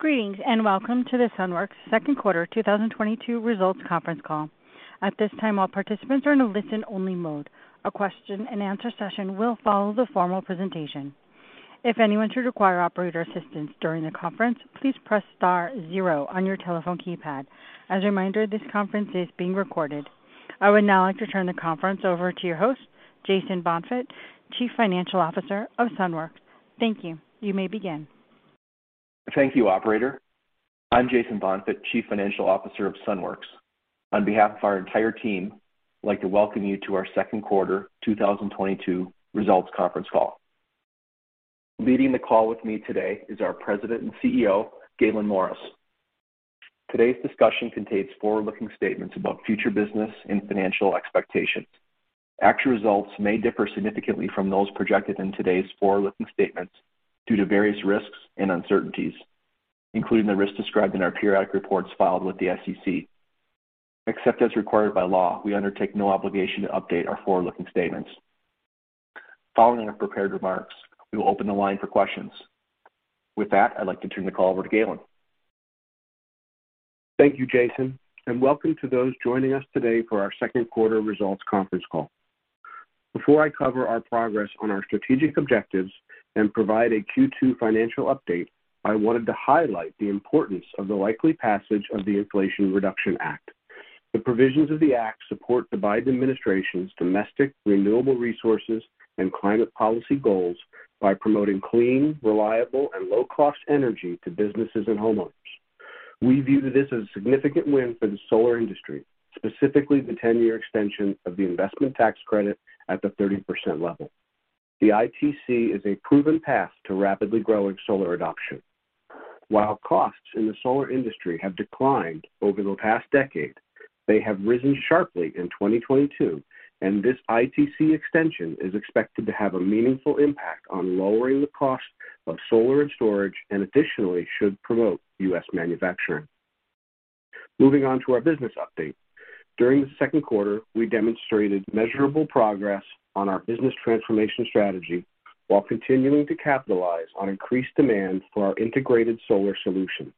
Greetings, and welcome to the Sunworks second quarter 2022 results conference call. At this time, all participants are in a listen-only mode. A question-and-answer session will follow the formal presentation. If anyone should require operator assistance during the conference, please press star zero on your telephone keypad. As a reminder, this conference is being recorded. I would now like to turn the conference over to your host, Jason Bonfigt, Chief Financial Officer of Sunworks. Thank you. You may begin. Thank you, operator. I'm Jason Bonfigt, Chief Financial Officer of Sunworks. On behalf of our entire team, I'd like to welcome you to our second quarter 2022 results conference call. Leading the call with me today is our President and CEO, Gaylon Morris. Today's discussion contains forward-looking statements about future business and financial expectations. Actual results may differ significantly from those projected in today's forward-looking statements due to various risks and uncertainties, including the risks described in our periodic reports filed with the SEC. Except as required by law, we undertake no obligation to update our forward-looking statements. Following our prepared remarks, we will open the line for questions. With that, I'd like to turn the call over to Gaylon. Thank you, Jason, and welcome to those joining us today for our second quarter results conference call. Before I cover our progress on our strategic objectives and provide a Q2 financial update, I wanted to highlight the importance of the likely passage of the Inflation Reduction Act. The provisions of the act support the Biden administration's domestic, renewable resources, and climate policy goals by promoting clean, reliable, and low-cost energy to businesses and homeowners. We view this as a significant win for the solar industry, specifically the 10-year extension of the investment tax credit at the 30% level. The ITC is a proven path to rapidly growing solar adoption. While costs in the solar industry have declined over the past decade, they have risen sharply in 2022, and this ITC extension is expected to have a meaningful impact on lowering the cost of solar and storage, and additionally should promote U.S. manufacturing. Moving on to our business update. During the second quarter, we demonstrated measurable progress on our business transformation strategy while continuing to capitalize on increased demand for our integrated solar solutions.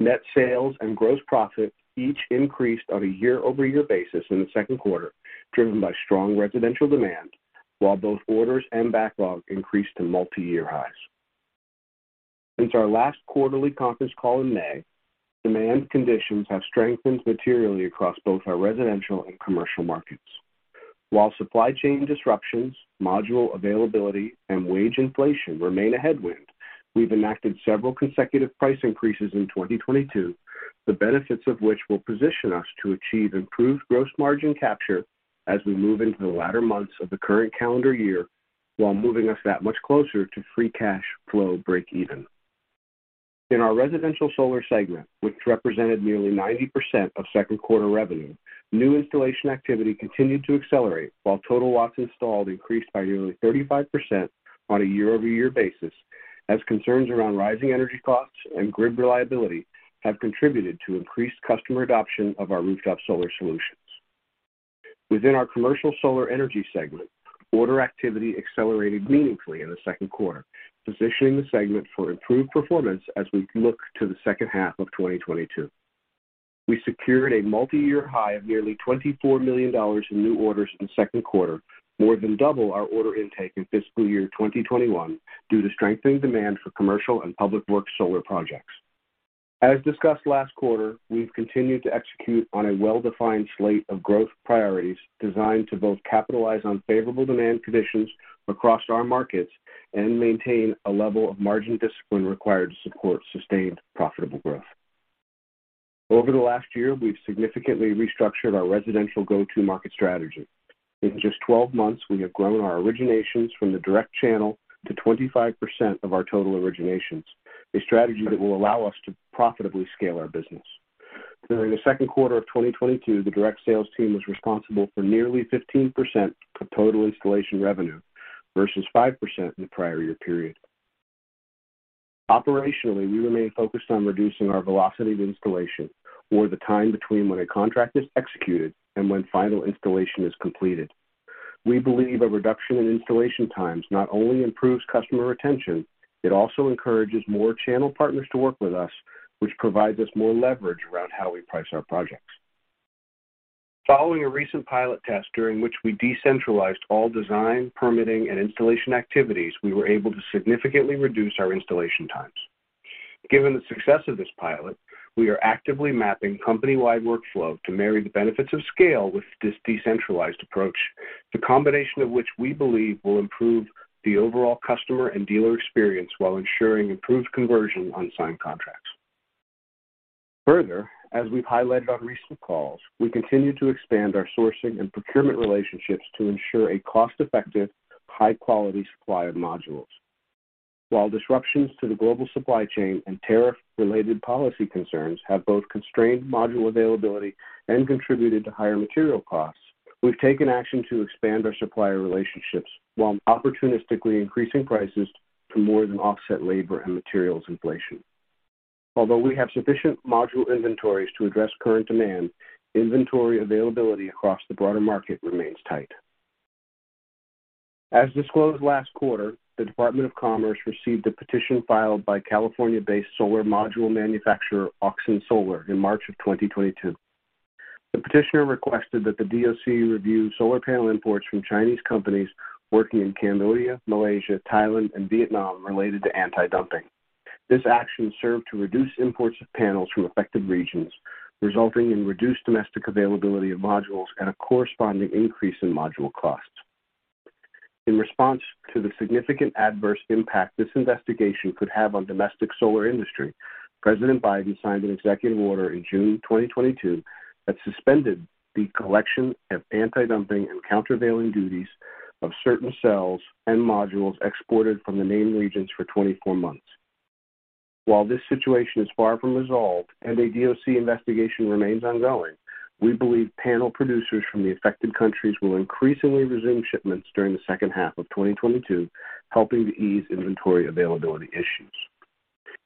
Net sales and gross profit each increased on a year-over-year basis in the second quarter, driven by strong residential demand, while both orders and backlog increased to multi-year highs. Since our last quarterly conference call in May, demand conditions have strengthened materially across both our residential and commercial markets. While supply chain disruptions, module availability, and wage inflation remain a headwind, we've enacted several consecutive price increases in 2022, the benefits of which will position us to achieve improved gross margin capture as we move into the latter months of the current calendar year while moving us that much closer to free cash flow breakeven. In our residential solar segment, which represented nearly 90% of second quarter revenue, new installation activity continued to accelerate while total watts installed increased by nearly 35% on a year-over-year basis, as concerns around rising energy costs and grid reliability have contributed to increased customer adoption of our rooftop solar solutions. Within our commercial solar energy segment, order activity accelerated meaningfully in the second quarter, positioning the segment for improved performance as we look to the second half of 2022. We secured a multi-year high of nearly $24 million in new orders in the second quarter, more than double our order intake in fiscal year 2021, due to strengthening demand for commercial and public works solar projects. As discussed last quarter, we've continued to execute on a well-defined slate of growth priorities designed to both capitalize on favorable demand conditions across our markets and maintain a level of margin discipline required to support sustained profitable growth. Over the last year, we've significantly restructured our residential go-to-market strategy. In just 12 months, we have grown our originations from the direct channel to 25% of our total originations, a strategy that will allow us to profitably scale our business. During the second quarter of 2022, the direct sales team was responsible for nearly 15% of total installation revenue versus 5% in the prior year period. Operationally, we remain focused on reducing our velocity to installation or the time between when a contract is executed and when final installation is completed. We believe a reduction in installation times not only improves customer retention, it also encourages more channel partners to work with us, which provides us more leverage around how we price our projects. Following a recent pilot test during which we decentralized all design, permitting, and installation activities, we were able to significantly reduce our installation times. Given the success of this pilot, we are actively mapping company-wide workflow to marry the benefits of scale with this decentralized approach. The combination of which we believe will improve the overall customer and dealer experience while ensuring improved conversion on signed contracts. Further, as we've highlighted on recent calls, we continue to expand our sourcing and procurement relationships to ensure a cost-effective, high-quality supply of modules. While disruptions to the global supply chain and tariff-related policy concerns have both constrained module availability and contributed to higher material costs, we've taken action to expand our supplier relationships while opportunistically increasing prices to more than offset labor and materials inflation. Although we have sufficient module inventories to address current demand, inventory availability across the broader market remains tight. As disclosed last quarter, the Department of Commerce received a petition filed by California-based solar module manufacturer Auxin Solar in March of 2022. The petitioner requested that the DOC review solar panel imports from Chinese companies working in Cambodia, Malaysia, Thailand, and Vietnam related to antidumping. This action served to reduce imports of panels from affected regions, resulting in reduced domestic availability of modules and a corresponding increase in module costs. In response to the significant adverse impact this investigation could have on domestic solar industry, President Biden signed an executive order in June 2022 that suspended the collection of antidumping and countervailing duties of certain cells and modules exported from the named regions for 24 months. While this situation is far from resolved and a DOC investigation remains ongoing, we believe panel producers from the affected countries will increasingly resume shipments during the second half of 2022, helping to ease inventory availability issues.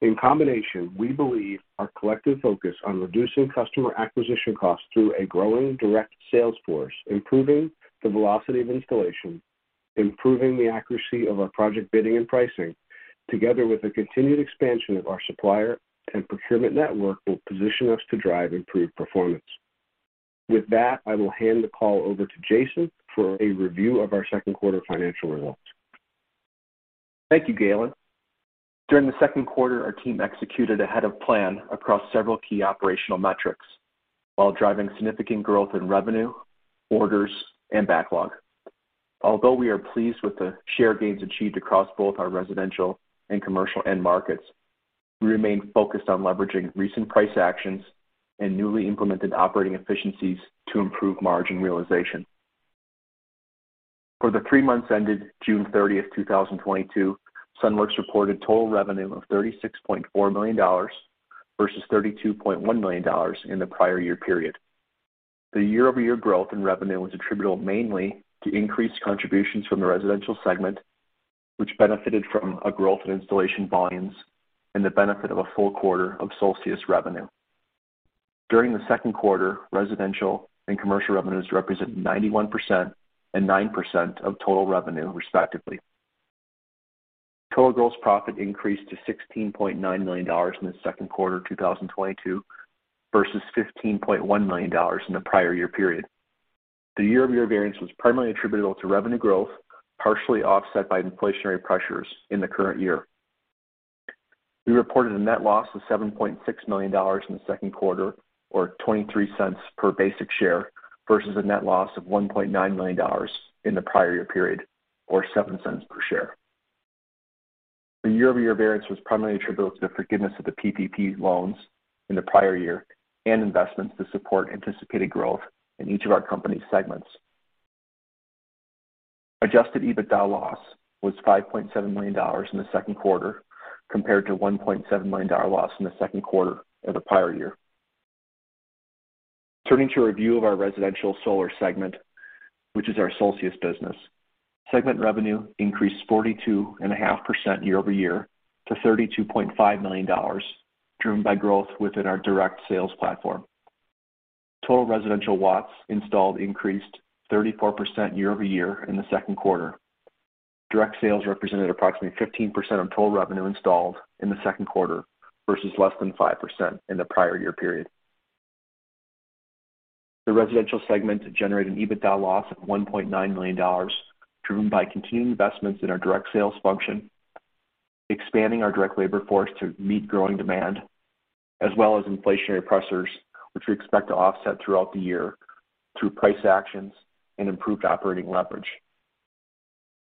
In combination, we believe our collective focus on reducing customer acquisition costs through a growing direct sales force, improving the velocity of installation, improving the accuracy of our project bidding and pricing, together with the continued expansion of our supplier and procurement network, will position us to drive improved performance. With that, I will hand the call over to Jason for a review of our second quarter financial results. Thank you, Gaylon. During the second quarter, our team executed ahead of plan across several key operational metrics while driving significant growth in revenue, orders, and backlog. Although we are pleased with the share gains achieved across both our residential and commercial end markets, we remain focused on leveraging recent price actions and newly implemented operating efficiencies to improve margin realization. For the three months ended June 30, 2022, Sunworks reported total revenue of $36.4 million versus $32.1 million in the prior year period. The year-over-year growth in revenue was attributable mainly to increased contributions from the residential segment, which benefited from a growth in installation volumes and the benefit of a full quarter of Solcius revenue. During the second quarter, residential and commercial revenues represent 91% and 9% of total revenue, respectively. Total gross profit increased to $16.9 million in the second quarter 2022 versus $15.1 million in the prior year period. The year-over-year variance was primarily attributable to revenue growth, partially offset by inflationary pressures in the current year. We reported a net loss of $7.6 million in the second quarter, or $0.23 per basic share, versus a net loss of $1.9 million in the prior year period, or $0.07 per share. The year-over-year variance was primarily attributable to the forgiveness of the PPP loans in the prior year and investments to support anticipated growth in each of our company's segments. Adjusted EBITDA loss was $5.7 million in the second quarter compared to $1.7 million loss in the second quarter of the prior year. Turning to a review of our residential solar segment, which is our Solcius business. Segment revenue increased 42.5% year-over-year to $32.5 million, driven by growth within our direct sales platform. Total residential watts installed increased 34% year-over-year in the second quarter. Direct sales represented approximately 15% of total revenue installed in the second quarter versus less than 5% in the prior year period. The residential segment generated an EBITDA loss of $1.9 million, driven by continuing investments in our direct sales function, expanding our direct labor force to meet growing demand, as well as inflationary pressures, which we expect to offset throughout the year through price actions and improved operating leverage.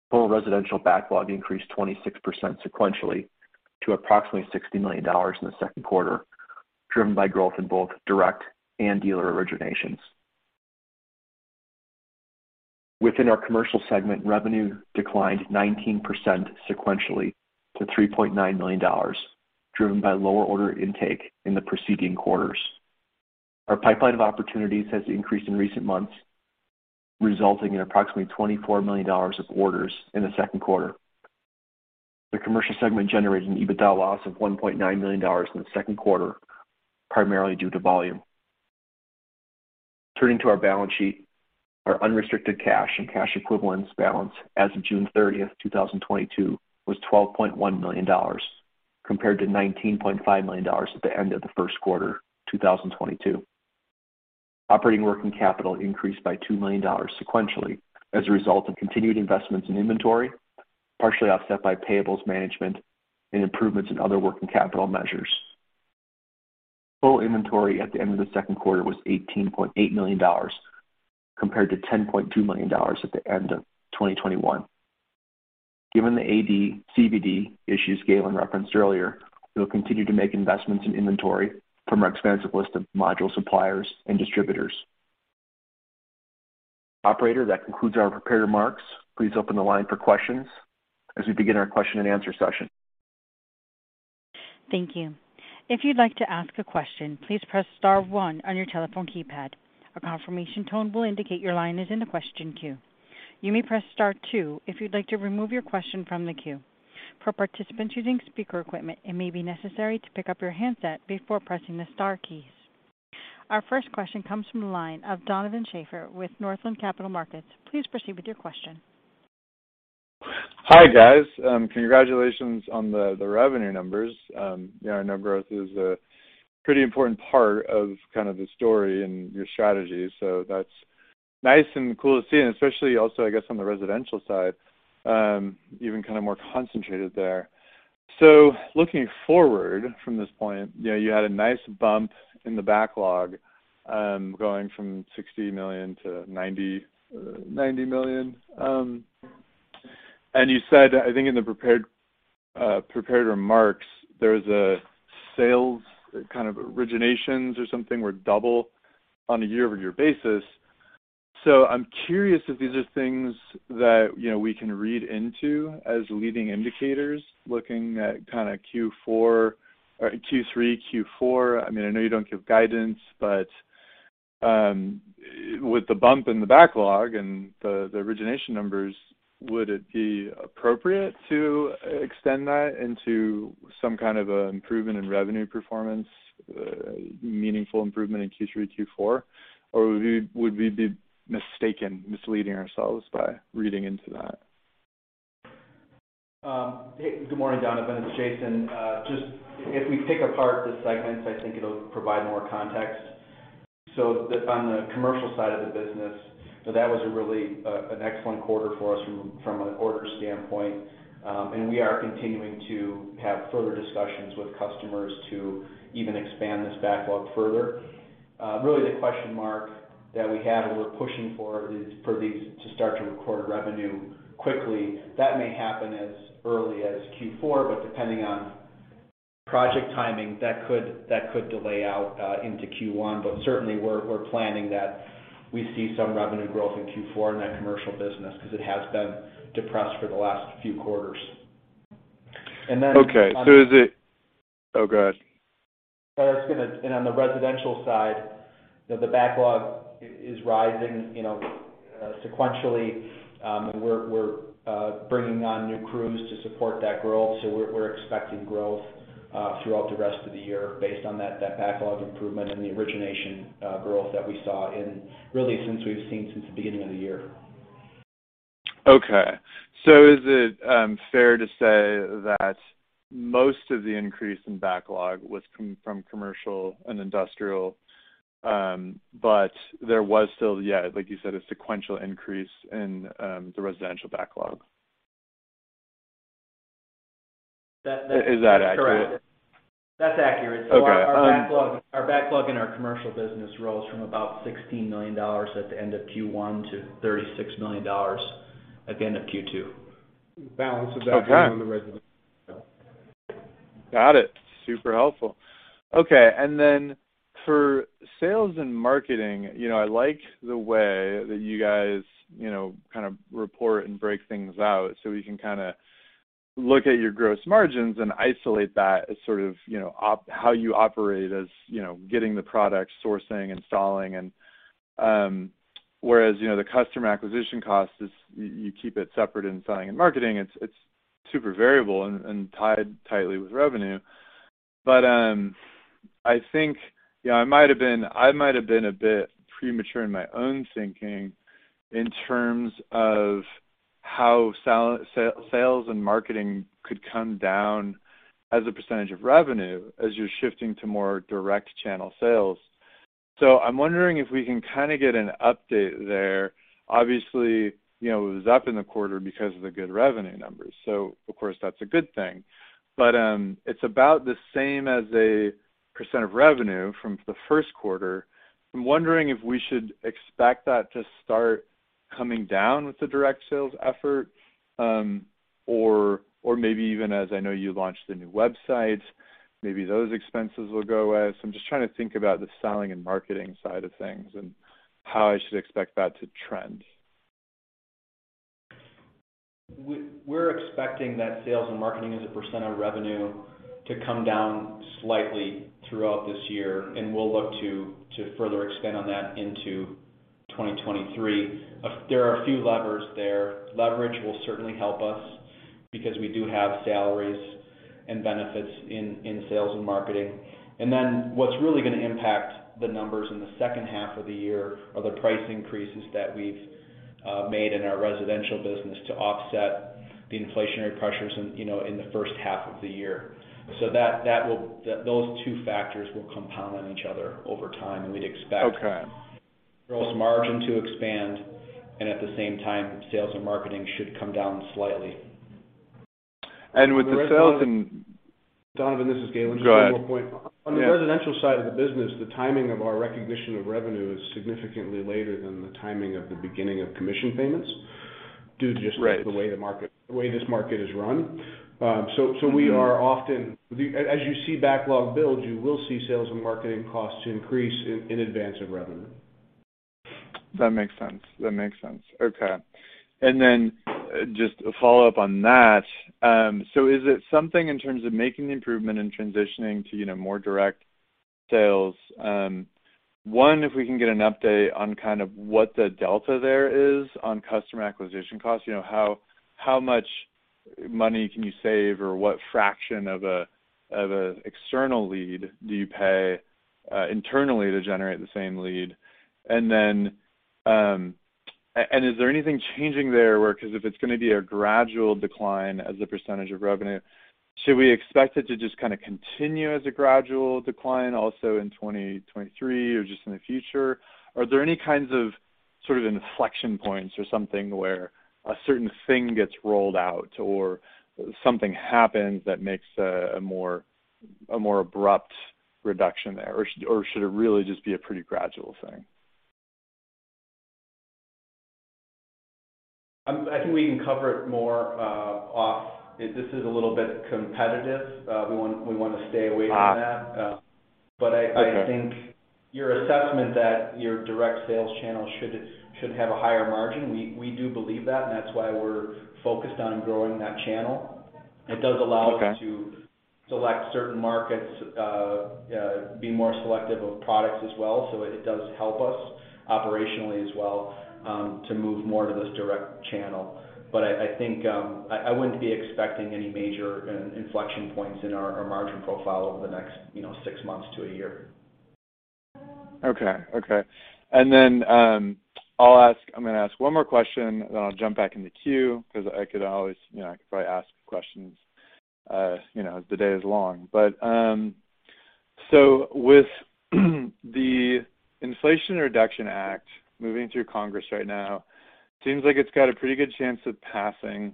Total residential backlog increased 26% sequentially to approximately $60 million in the second quarter, driven by growth in both direct and dealer originations. Within our commercial segment, revenue declined 19% sequentially to $3.9 million, driven by lower order intake in the preceding quarters. Our pipeline of opportunities has increased in recent months, resulting in approximately $24 million of orders in the second quarter. The commercial segment generated an EBITDA loss of $1.9 million in the second quarter, primarily due to volume. Turning to our balance sheet, our unrestricted cash and cash equivalents balance as of June 30, 2022 was $12.1 million, compared to $19.5 million at the end of the first quarter 2022. Operating working capital increased by $2 million sequentially as a result of continued investments in inventory, partially offset by payables management and improvements in other working capital measures. Full inventory at the end of the second quarter was $18.8 million, compared to $10.2 million at the end of 2021. Given the AD/CVD issues Gaylon referenced earlier, we will continue to make investments in inventory from our expansive list of module suppliers and distributors. Operator, that concludes our prepared remarks. Please open the line for questions as we begin our question-and-answer session. Thank you. If you'd like to ask a question, please press star one on your telephone keypad. A confirmation tone will indicate your line is in the question queue. You may press star two if you'd like to remove your question from the queue. For participants using speaker equipment, it may be necessary to pick up your handset before pressing the star keys. Our first question comes from the line of Donovan Schafer with Northland Capital Markets. Please proceed with your question. Hi, guys. Congratulations on the revenue numbers. Yeah, I know growth is a pretty important part of kind of the story and your strategy, so that's nice and cool to see, and especially also, I guess, on the residential side, even kind of more concentrated there. Looking forward from this point, you know, you had a nice bump in the backlog, going from $60 million-$90 million. You said, I think in the prepared remarks, there was a sales kind of originations or something were double on a year-over-year basis. I'm curious if these are things that, you know, we can read into as leading indicators, looking at kinda Q4 or Q3, Q4. I mean, I know you don't give guidance, but with the bump in the backlog and the origination numbers, would it be appropriate to extend that into some kind of a improvement in revenue performance, meaningful improvement in Q3, Q4? Would we be mistaken, misleading ourselves by reading into that? Hey. Good morning, Donovan. It's Jason. Just if we pick apart the segments, I think it'll provide more context. On the commercial side of the business, so that was a really excellent quarter for us from an orders standpoint. We are continuing to have further discussions with customers to even expand this backlog further. Really the question mark that we have and we're pushing for is for these to start to record revenue quickly. That may happen as early as Q4, but depending on project timing, that could delay out into Q1. Certainly, we're planning that we see some revenue growth in Q4 in that commercial business because it has been depressed for the last few quarters. Okay. Oh, go ahead. On the residential side, you know, the backlog is rising, you know, sequentially, and we're bringing on new crews to support that growth, so we're expecting growth throughout the rest of the year based on that backlog improvement and the origination growth that we saw really since we've seen since the beginning of the year. Okay. Is it fair to say that most of the increase in backlog was from commercial and industrial, but there was still yet, like you said, a sequential increase in the residential backlog? That, that- Is that accurate? That's correct. That's accurate. Okay. Our backlog in our commercial business rose from about $16 million at the end of Q1 to $36 million again at Q2. Balance of that. Okay. being on the residential side. Got it. Super helpful. Okay. For sales and marketing, you know, I like the way that you guys, you know, kind of report and break things out, so we can kinda look at your gross margins and isolate that as sort of, you know, how you operate as, you know, getting the product, sourcing, installing, and. Whereas, you know, the customer acquisition cost is you keep it separate in selling and marketing. It's super variable and tied tightly with revenue. I think, you know, I might've been a bit premature in my own thinking in terms of how sales and marketing could come down as a percentage of revenue as you're shifting to more direct channel sales. I'm wondering if we can kinda get an update there. Obviously, you know, it was up in the quarter because of the good revenue numbers, so of course, that's a good thing. It's about the same as a percent of revenue from the first quarter. I'm wondering if we should expect that to start coming down with the direct sales effort, or maybe even as I know you launched a new website, maybe those expenses will go away. I'm just trying to think about the selling and marketing side of things and how I should expect that to trend. We're expecting that sales and marketing as a percentage of revenue to come down slightly throughout this year, and we'll look to further expand on that into 2023. There are a few levers there. Leverage will certainly help us because we do have salaries and benefits in sales and marketing. What's really gonna impact the numbers in the second half of the year are the price increases that we've made in our residential business to offset the inflationary pressures in, you know, in the first half of the year. That will. Those two factors will compound on each other over time, and we'd expect- Okay. Gross margin to expand, and at the same time, sales and marketing should come down slightly. With the sales and Donovan, this is Gaylon- Go ahead. Just one more point. Yeah. On the residential side of the business, the timing of our recognition of revenue is significantly later than the timing of the beginning of commission payments due to just. Right. The way this market is run. We are often. As you see backlog build, you will see sales and marketing costs increase in advance of revenue. That makes sense. Okay. Then just a follow-up on that. So is it something in terms of making the improvement and transitioning to, you know, more direct sales? One, if we can get an update on kind of what the delta there is on customer acquisition costs, you know, how much money can you save or what fraction of an external lead do you pay internally to generate the same lead? Then, is there anything changing there where because if it's gonna be a gradual decline as a percentage of revenue, should we expect it to just kinda continue as a gradual decline also in 2023 or just in the future? Are there any kinds of sort of inflection points or something where a certain thing gets rolled out or something happens that makes a more abrupt reduction there? Or should it really just be a pretty gradual thing? I think we can cover it more off. This is a little bit competitive. We want, we wanna stay away from that. Okay. I think your assessment that your direct sales channel should have a higher margin. We do believe that, and that's why we're focused on growing that channel. Okay. It does allow us to select certain markets, be more selective of products as well. It does help us operationally as well, to move more to this direct channel. I think I wouldn't be expecting any major inflection points in our margin profile over the next, you know, six months to a year. Okay. I'm gonna ask one more question, then I'll jump back in the queue 'cause I could always, you know, I could probably ask questions, you know, the day is long. With the Inflation Reduction Act moving through Congress right now, it seems like it's got a pretty good chance of passing.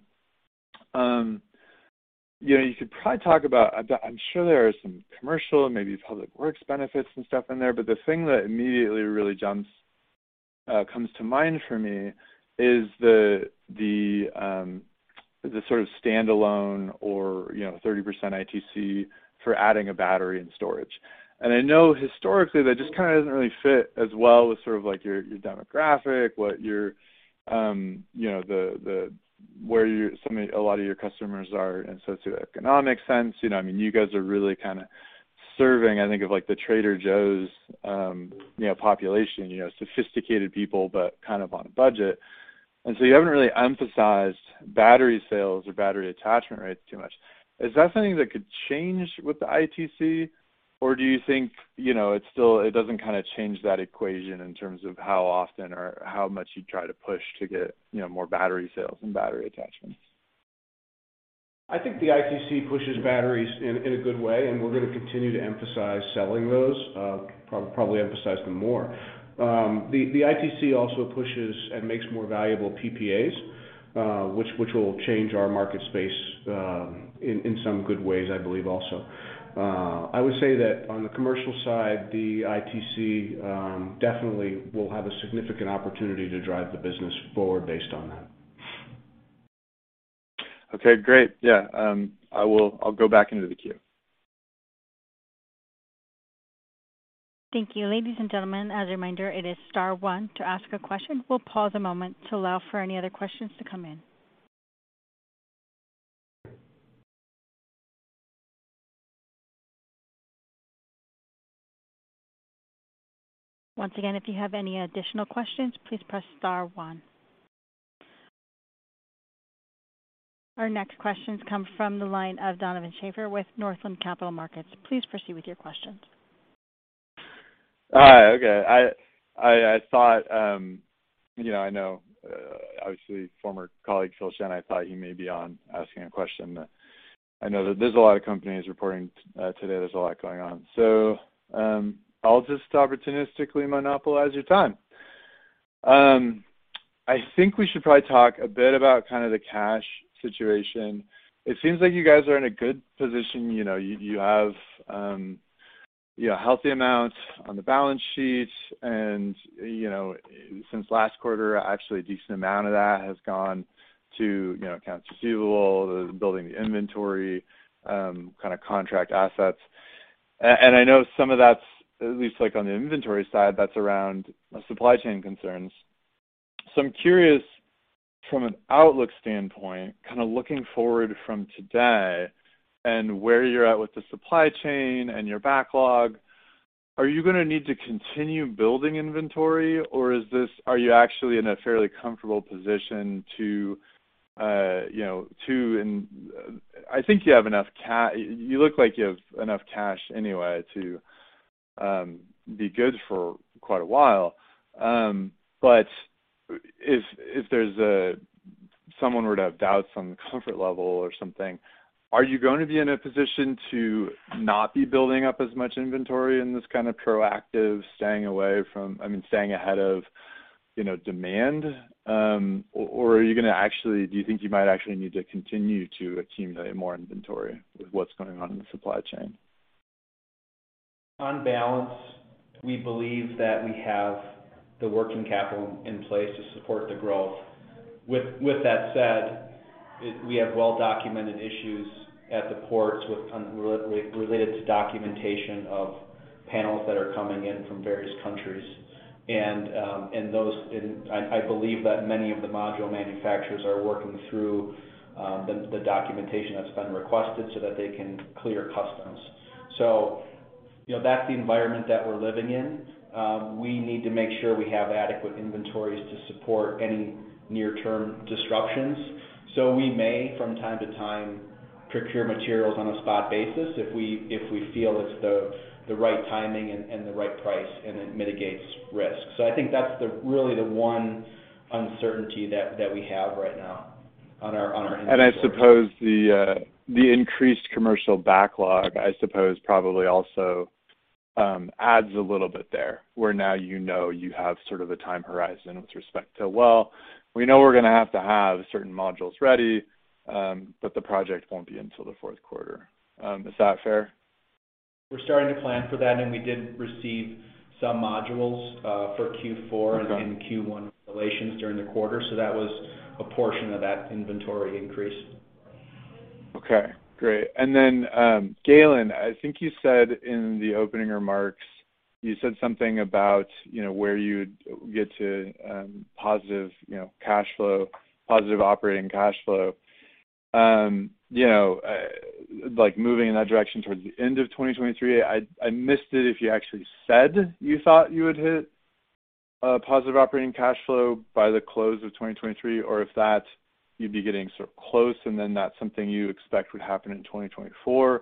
You could probably talk about, I'm sure there are some commercial, maybe public works benefits and stuff in there, but the thing that immediately really jumps, comes to mind for me is the sort of standalone or, you know, 30% ITC for adding a battery and storage. I know historically that just kinda doesn't really fit as well with sort of like your demographic, what your you know a lot of your customers are in socioeconomic sense. You know, I mean, you guys are really kinda serving, I think of like the Trader Joe's you know population. You know, sophisticated people, but kind of on a budget. You haven't really emphasized battery sales or battery attachment rates too much. Is that something that could change with the ITC, or do you think, you know, it doesn't kinda change that equation in terms of how often or how much you try to push to get, you know, more battery sales and battery attachments? I think the ITC pushes batteries in a good way, and we're gonna continue to emphasize selling those, probably emphasize them more. The ITC also pushes and makes more valuable PPAs, which will change our market space, in some good ways, I believe also. I would say that on the commercial side, the ITC definitely will have a significant opportunity to drive the business forward based on that. Okay, great. Yeah. I'll go back into the queue. Thank you. Ladies and gentlemen, as a reminder, it is star one to ask a question. We'll pause a moment to allow for any other questions to come in. Once again, if you have any additional questions, please press star one. Our next question comes from the line of Donovan Schafer with Northland Capital Markets. Please proceed with your questions. Hi. Okay. I thought, you know, I know, obviously former colleague, Philip Shen, I thought he may be on asking a question. I know that there's a lot of companies reporting, today, there's a lot going on. I'll just opportunistically monopolize your time. I think we should probably talk a bit about kind of the cash situation. It seems like you guys are in a good position. You know, you have, you know, a healthy amount on the balance sheet and, you know, since last quarter, actually a decent amount of that has gone to, you know, accounts receivable, the building inventory, kind of contract assets. And I know some of that's, at least like on the inventory side, that's around supply chain concerns. I'm curious from an outlook standpoint, kind of looking forward from today and where you're at with the supply chain and your backlog, are you gonna need to continue building inventory, or are you actually in a fairly comfortable position to, you know, to. You look like you have enough cash anyway to be good for quite a while. If someone were to have doubts on the comfort level or something, are you going to be in a position to not be building up as much inventory in this kind of proactive, I mean, staying ahead of, you know, demand, or do you think you might actually need to continue to accumulate more inventory with what's going on in the supply chain? On balance, we believe that we have the working capital in place to support the growth. With that said, we have well-documented issues at the ports with related to documentation of panels that are coming in from various countries. I believe that many of the module manufacturers are working through the documentation that's been requested so that they can clear customs. You know, that's the environment that we're living in. We need to make sure we have adequate inventories to support any near-term disruptions. We may, from time to time, procure materials on a spot basis if we feel it's the right timing and the right price, and it mitigates risk. I think that's really the one uncertainty that we have right now on our inventory. I suppose the increased commercial backlog, I suppose, probably also adds a little bit there, where now you know you have sort of a time horizon with respect to, well, we know we're gonna have to have certain modules ready, but the project won't be until the fourth quarter. Is that fair? We're starting to plan for that, and we did receive some modules for Q4. Okay Q1 revenues during the quarter. That was a portion of that inventory increase. Okay, great. Gaylon, I think you said in the opening remarks, you said something about, you know, where you'd get to, positive, you know, cash flow, positive operating cash flow. You know, like moving in that direction towards the end of 2023. I missed it if you actually said you thought you would hit, positive operating cash flow by the close of 2023, or if that you'd be getting sort of close, and then that's something you expect would happen in 2024.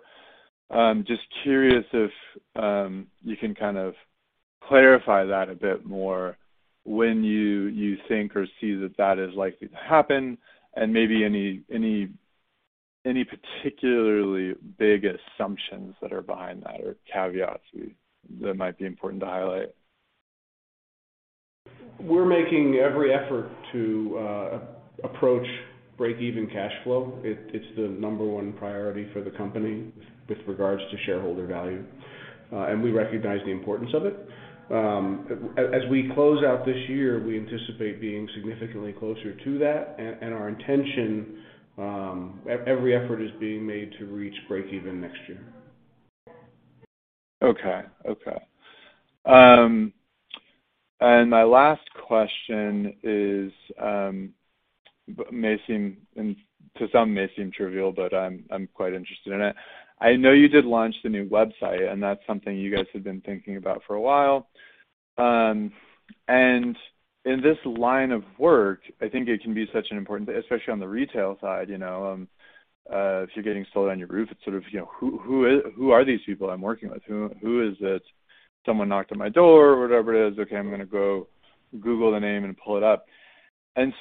Just curious if, you can kind of clarify that a bit more when you think or see that that is likely to happen, and maybe any particularly big assumptions that are behind that or caveats that might be important to highlight. We're making every effort to approach break-even cash flow. It's the number one priority for the company with regards to shareholder value, and we recognize the importance of it. As we close out this year, we anticipate being significantly closer to that and our intention, every effort is being made to reach break-even next year. Okay. My last question is and to some may seem trivial, but I'm quite interested in it. I know you did launch the new website, and that's something you guys have been thinking about for a while. In this line of work, I think it can be such an important, especially on the retail side, you know, if you're getting solar on your roof, it's sort of, you know, who are these people I'm working with? Who is it? Someone knocked on my door or whatever it is, okay, I'm gonna go Google the name and pull it up. I'm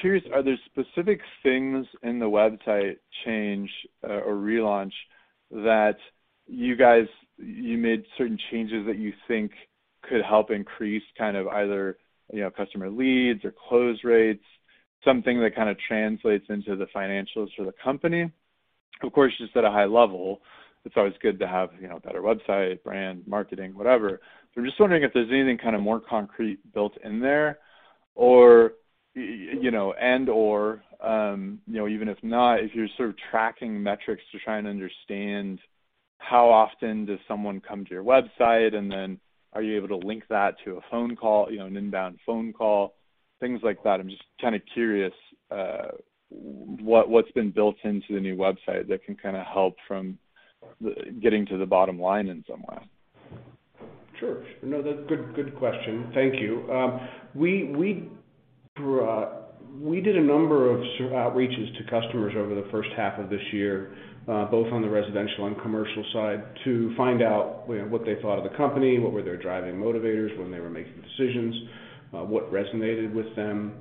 curious, are there specific things in the website change or relaunch that you made certain changes that you think could help increase kind of either, you know, customer leads or close rates, something that kind of translates into the financials for the company? Of course, just at a high level, it's always good to have, you know, better website, brand, marketing, whatever. I'm just wondering if there's anything kind of more concrete built in there or, you know, and/or, you know, even if not, if you're sort of tracking metrics to try and understand how often does someone come to your website, and then are you able to link that to a phone call, you know, an inbound phone call, things like that. I'm just kind of curious, what's been built into the new website that can kind of help from getting to the bottom line in some way. Sure. No, that's a good question. Thank you. We did a number of sort of outreaches to customers over the first half of this year, both on the residential and commercial side, to find out, you know, what they thought of the company, what were their driving motivators when they were making decisions, what resonated with them.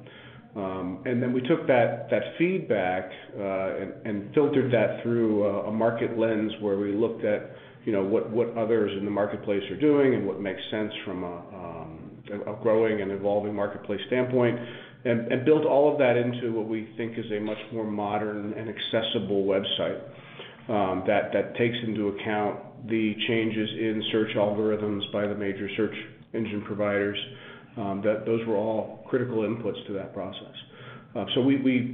We took that feedback and filtered that through a market lens where we looked at, you know, what others in the marketplace are doing and what makes sense from a growing and evolving marketplace standpoint and built all of that into what we think is a much more modern and accessible website that takes into account the changes in search algorithms by the major search engine providers, that those were all critical inputs to that process.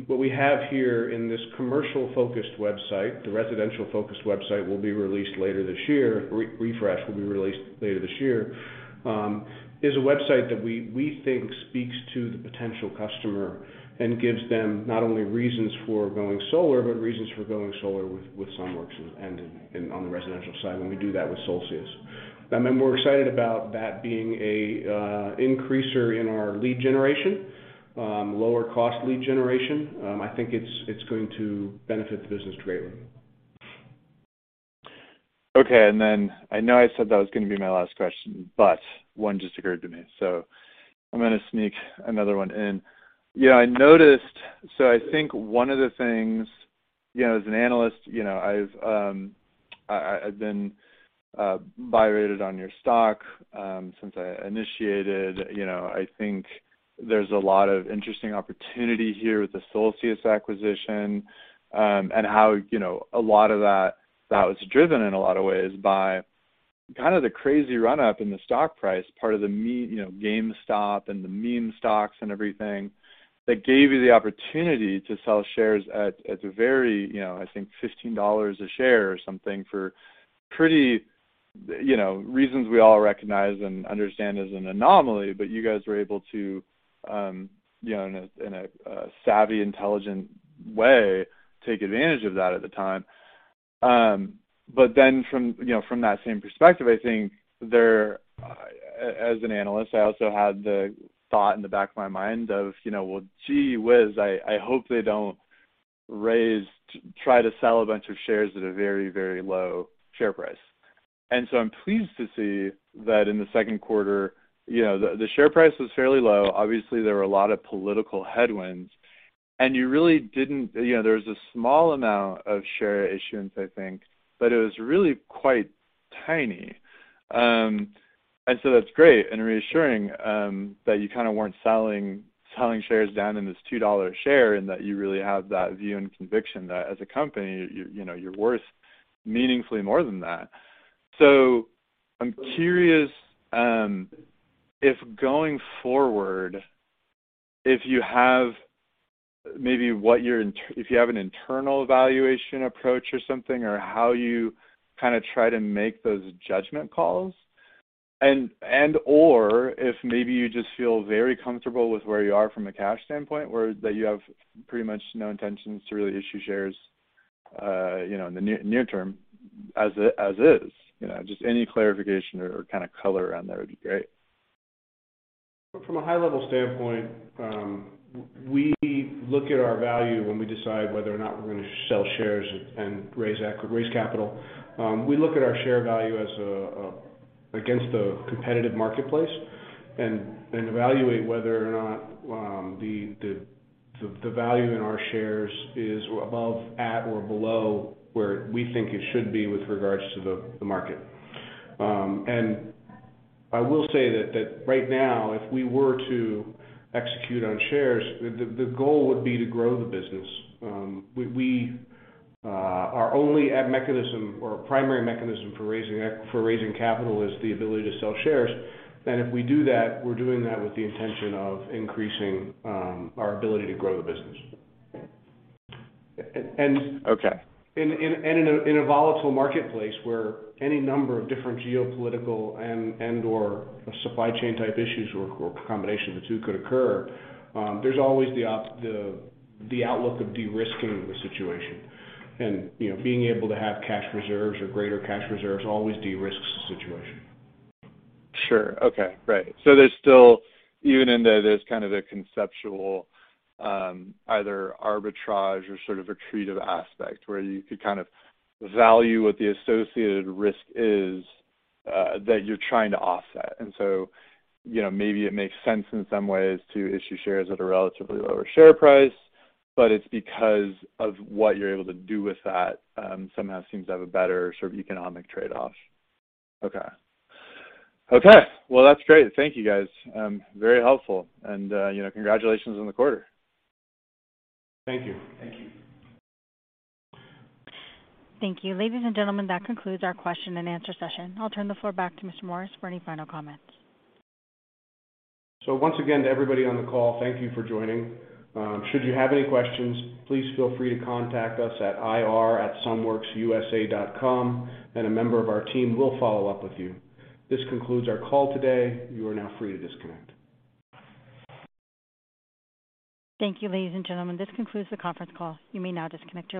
What we have here in this commercial-focused website, the residential-focused website will be released later this year, refresh will be released later this year, is a website that we think speaks to the potential customer and gives them not only reasons for going solar, but reasons for going solar with Sunworks and on the residential side, when we do that with Solcius. I mean, we're excited about that being an increase in our lead generation, lower cost lead generation. I think it's going to benefit the business greatly. Okay. I know I said that was gonna be my last question, but one just occurred to me, so I'm gonna sneak another one in. You know, I noticed. I think one of the things, you know, as an analyst, you know, I've been buy-rated on your stock since I initiated. You know, I think there's a lot of interesting opportunity here with the Solcius acquisition, and how, you know, a lot of that was driven in a lot of ways by kind of the crazy run-up in the stock price, part of the, you know, GameStop and the meme stocks and everything that gave you the opportunity to sell shares at a very, you know, I think $15 a share or something for pretty, you know, reasons we all recognize and understand as an anomaly. You guys were able to, you know, in a savvy, intelligent way, take advantage of that at the time. From that same perspective, you know, I think as an analyst, I also had the thought in the back of my mind of, you know, well, gee whiz, I hope they don't try to sell a bunch of shares at a very, very low share price. I'm pleased to see that in the second quarter, you know, the share price was fairly low. Obviously, there were a lot of political headwinds, and you really didn't. You know, there was a small amount of share issuance, I think, but it was really quite tiny. That's great and reassuring that you kinda weren't selling shares down in this $2 share, and that you really have that view and conviction that as a company, you know, you're worth meaningfully more than that. I'm curious if going forward you have an internal evaluation approach or something or how you kinda try to make those judgment calls. and/or if maybe you just feel very comfortable with where you are from a cash standpoint, where that you have pretty much no intentions to really issue shares, you know, in the near term as is, you know. Just any clarification or kinda color around that would be great. From a high level standpoint, we look at our value when we decide whether or not we're gonna sell shares and raise capital. We look at our share value as a against the competitive marketplace and evaluate whether or not the value in our shares is above, at, or below where we think it should be with regards to the market. I will say that right now, if we were to execute on shares, the goal would be to grow the business. We our only ATM mechanism or primary mechanism for raising capital is the ability to sell shares. If we do that, we're doing that with the intention of increasing our ability to grow the business. O-o-okay. In a volatile marketplace where any number of different geopolitical and/or supply chain type issues or a combination of the two could occur, there's always the outlook of de-risking the situation. You know, being able to have cash reserves or greater cash reserves always de-risks the situation. Sure. Okay. Right. There's still, even in that, there's kind of a conceptual, either arbitrage or sort of accretive aspect where you could kind of value what the associated risk is, that you're trying to offset. You know, maybe it makes sense in some ways to issue shares at a relatively lower share price, but it's because of what you're able to do with that, somehow seems to have a better sort of economic trade-off. Okay. Okay, well, that's great. Thank you, guys. Very helpful. You know, congratulations on the quarter. Thank you. Thank you. Thank you. Ladies and gentlemen, that concludes our question-and-answer session. I'll turn the floor back to Mr. Morris for any final comments. Once again, to everybody on the call, thank you for joining. Should you have any questions, please feel free to contact us at ir@sunworksusa.com, and a member of our team will follow up with you. This concludes our call today. You are now free to disconnect. Thank you, ladies and gentlemen. This concludes the conference call. You may now disconnect your line.